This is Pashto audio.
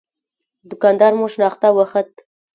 دوکان دار مو شناخته وخت.